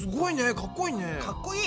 かっこいい！